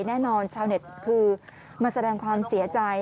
แน่นอนชาวเน็ตคือมาแสดงความเสียใจ